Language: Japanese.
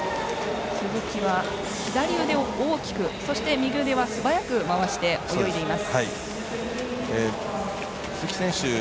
鈴木は左腕を大きくそして右腕は素早く回して泳いでいます。